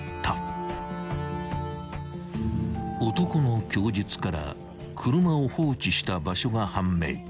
［男の供述から車を放置した場所が判明］